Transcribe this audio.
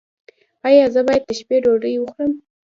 ایا زه باید د شپې ډوډۍ وخورم؟